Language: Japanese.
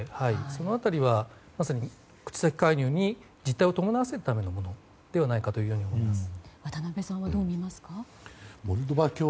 その辺りは、まさに口先介入に実体を伴わせるためのものではないかと思います。